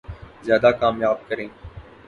زیادہ کامیاب کریں